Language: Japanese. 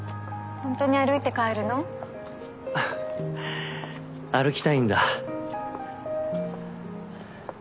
ほんとに歩いて帰るの？ははっ歩きたいんだ。